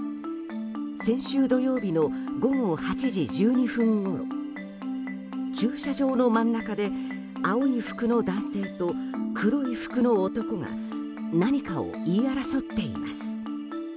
先週土曜日の午後８時１２分ごろ駐車場の真ん中で青い服の男性と黒い服の男が何かを言い争っています。